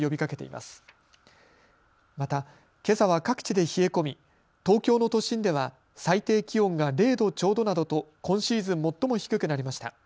また、けさは各地で冷え込み東京の都心では最低気温が０度ちょうどなどと今シーズン最も低くなりました。